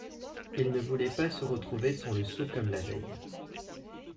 Il ne voulait pas se retrouver sans le sou comme la veille.